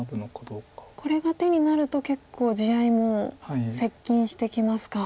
これが手になると結構地合いも接近してきますか。